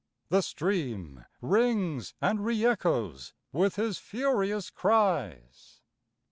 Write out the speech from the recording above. The stream Rings and re echoes with his furious cries.